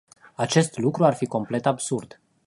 Acest lucru ar fi complet absurd.